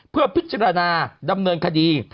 เพื่อพิจารณาดำเนินคดี